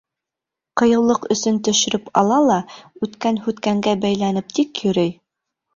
Ҡыйыулыҡ өсөн төшөрөп ала ла үткән-һүткәнгә бәйләнеп тик йөрөй.